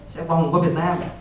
sẽ vòng qua việt nam